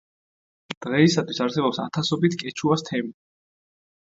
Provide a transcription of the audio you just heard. დღეისათვის არსებობს ათასობით კეჩუას თემი.